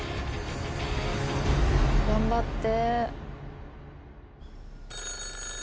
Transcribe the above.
頑張って。